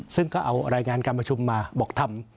ซึ่งก็เอารายงานการประชุมมาบอกทำ